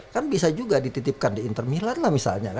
kan bisa juga dititipkan di inter milan lah misalnya